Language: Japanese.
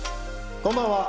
こんばんは。